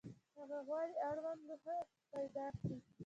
هغه غواړي اړوند لوحه پیدا کړي.